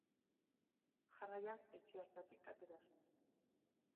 Jarraian etxe hartatik atera zen.